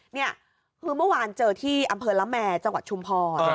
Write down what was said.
นี่คือเมื่อวานเจอที่อำเภอละแมจังหวัดชุมพร